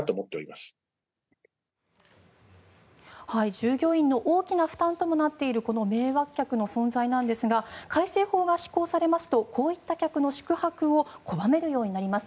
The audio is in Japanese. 従業員の大きな負担ともなっている迷惑客の存在なんですが改正法が施行されましたらこういった客の宿泊を拒めるようになります。